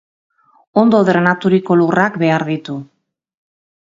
Ondo drenaturiko lurrak behar ditu.